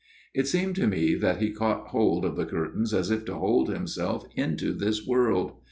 It seemed to me that he caught hold of the curtains as if to hold himself into this world.